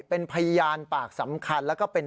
เป็นพยานปากสำคัญแล้วก็เป็น